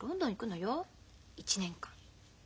１年間。